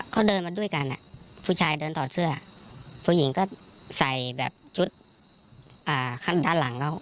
เขาเดินมาด้วยกันผู้ชายเดินถอดเสื้อผู้หญิงก็ใส่แบบชุดข้างด้านหลังเขา